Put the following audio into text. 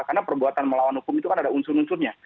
karena perbuatan melawan hukum itu kan ada unsur unsurnya